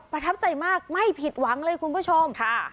ประทับใจมากไม่ผิดหวังเลยคุณผู้ชมค่ะ